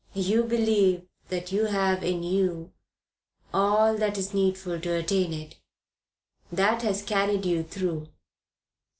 You believe that you have in you all that is needful to attain it. That has carried you through.